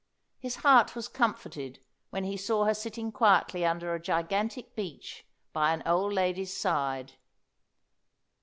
His heart was comforted when he saw her sitting quietly under a gigantic beech by an old lady's side.